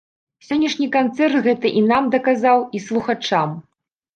Сённяшні канцэрт гэта і нам даказаў, і слухачам.